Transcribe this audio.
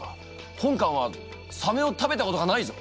本官はサメを食べたことがないぞ！